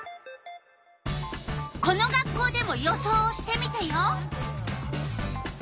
この学校でも予想をしてみたよ。